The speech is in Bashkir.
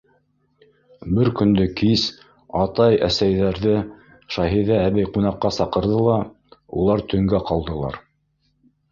Бер көндө кис атай-әсәйҙәрҙе Шәһиҙә әбей ҡунаҡҡа саҡырҙы ла, улар төнгә ҡалдылар.